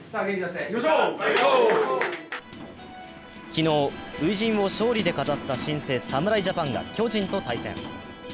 昨日、初陣を勝利で飾った新生・侍ジャパンが巨人と対戦。